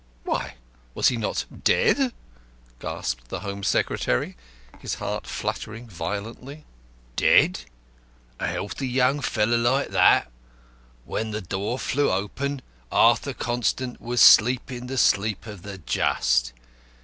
"Why, was he not dead?" gasped the Home Secretary, his heart fluttering violently. "Dead? A young, healthy fellow like that! When the door flew open, Arthur Constant was sleeping the sleep of the just.